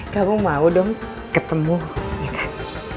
kamu mau dong ketemu ya kan